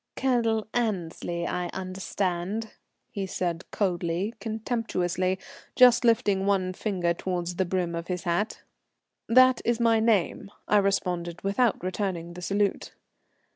"Colonel Annesley, I understand," he said coldly, contemptuously, just lifting one finger towards the brim of his hat. "That is my name," I responded, without returning the salute.